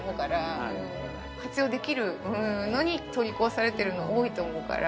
活用できるのに取り壊されてるの多いと思うから。